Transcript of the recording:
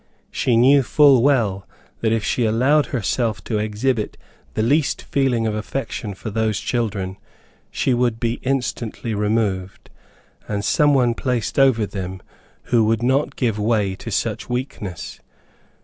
She knew full well that if she allowed herself to exhibit the least feeling of affection for those children, she would be instantly removed, and some one placed over them who would not give way to such weakness.